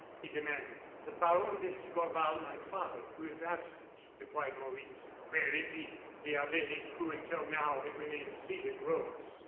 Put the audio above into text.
he demanded. "The Baron d'Escorval, my father, who is absent," replied Maurice. "Where is he?" The abbe, who, until now, had remained seated, rose.